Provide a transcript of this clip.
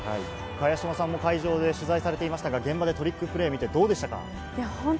茅島さんも会場で取材されていましたが現場でトリックプレー見てどうでしたか？